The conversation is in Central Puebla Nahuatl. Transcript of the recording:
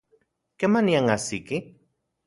¿Kemanian ajsiki?